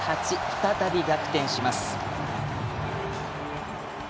再び、逆転します。